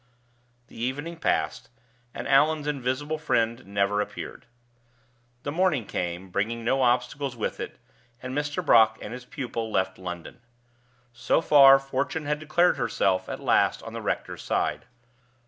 The evening passed, and Allan's invisible friend never appeared. The morning came, bringing no obstacles with it, and Mr. Brock and his pupil left London. So far Fortune had declared herself at last on the rector's side.